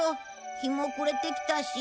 日も暮れてきたし。